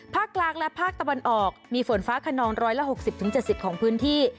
ภาคกลางและภาคตะวันออกมีฝนฟ้าขนอง๑๖๐๗๐ของพื้นที่